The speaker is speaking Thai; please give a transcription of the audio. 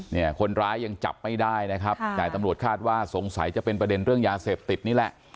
เนี่ยคนร้ายยังจับไม่ได้นะครับแต่ตำรวจคาดว่าสงสัยจะเป็นประเด็นเรื่องยาเสพติดนี่แหละ